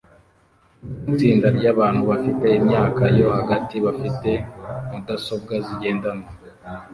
Itsinda ryabantu bafite imyaka yo hagati bafite mudasobwa zigendanwa